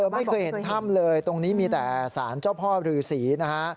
ไม่เคยเห็นถ้ำเลยตรงนี้มีแต่สารเจ้าพ่อรือศรีนะฮะ